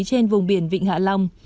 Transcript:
trên vùng biển vịnh hạ long